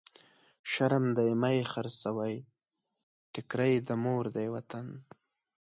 شرم دی مه يې خرڅوی، ټکری د مور دی وطن.